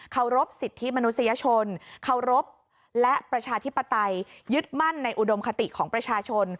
รบสิทธิมนุษยชนเคารพและประชาธิปไตยยึดมั่นในอุดมคติของประชาชน